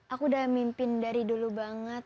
aku udah mimpin dari dulu banget